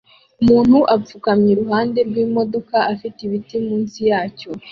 Umuntu apfukamye iruhande rwimodoka ifite ibiti munsi yacyo